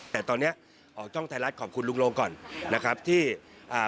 แต่ตอนเนี้ยออกช่องไทยรัฐขอบคุณลุงโรงก่อนนะครับที่อ่า